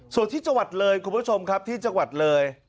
ส่วนที่จังหวัดเลยคุณผู้ชมครับที่จังหวัดเลย